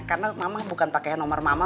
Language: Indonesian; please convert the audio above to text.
karena mama bukan pake nomor mama